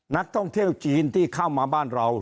นักท่องเที่ยวจีนที่เข้ามาบ้านเรา